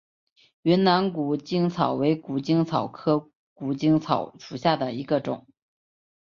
云南谷精草为谷精草科谷精草属下的一个种。